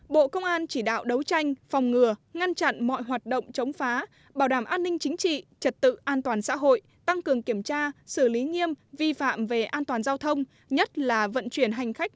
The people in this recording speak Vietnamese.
bộ công an chỉ đạo đấu tranh phòng ngừa ngăn chặn mọi hoạt động chống phá bảo đảm an ninh chính trị trật tự an toàn xã hội tăng cường kiểm tra xử lý nghiêm vi phạm về an toàn giao thông nhất là vận chuyển hành khách